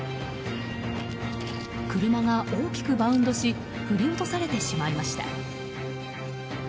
車が大きくバウンドし振り落とされてしまいました。